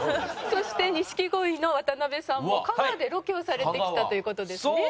そして錦鯉の渡辺さんも香川でロケをされてきたという事ですね。